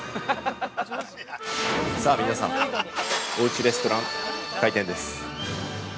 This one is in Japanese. ◆さあ皆さん、おうちレストラン開店です。